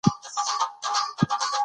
په افغانستان کې لعل شتون لري.